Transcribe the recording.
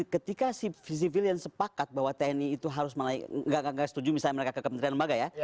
ketika sivilien sepakat bahwa tni itu harus nggak setuju misalnya mereka ke kementerian lembaga ya